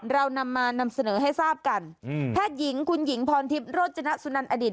เรานำมานำเสนอให้ทราบกันแพทย์หญิงคุณหญิงพรทิพย์โรจนสุนันอดีต